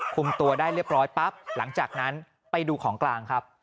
คุมตัวได้เรียบร้อยปั๊บหลังจากนั้นไปดูของกลางครับ